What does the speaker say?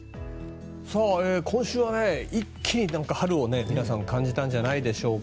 今週は一気に春を皆さん感じたんじゃないでしょうか。